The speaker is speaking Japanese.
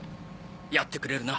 やってくれるな？